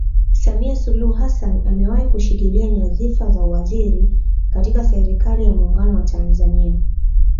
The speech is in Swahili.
Samia Suluhu Hassan amewahi kushikilia nyadhifa za uwaziri katika serikali ya Muungano wa Tanzania